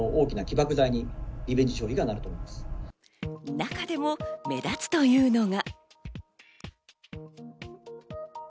中でも目立つというのが。